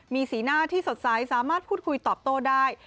มีสีหน้าที่สดใสสามารถพูดคุยตอบโต้ได้